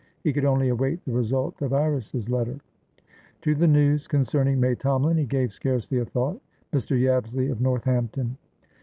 He could only await the result of Iris's letter. To the news concerning May Tomalin, he gave scarcely a thought. Mr. Yabsley, of Northampton!